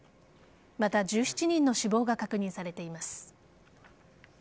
また１７人の死亡が確認されています。